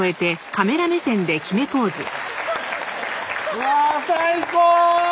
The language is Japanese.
うわ最高！